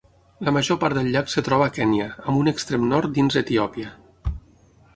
La major part del llac es troba a Kenya, amb un extrem nord dins Etiòpia.